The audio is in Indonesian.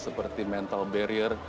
seperti mental barrier